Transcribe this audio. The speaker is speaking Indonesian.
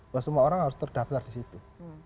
bahwa semua orang harus terdaftar di situ